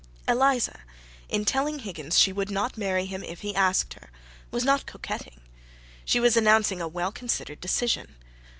Eliza, in telling Higgins she would not marry him if he asked her, was not coquetting: she was announcing a well considered decision.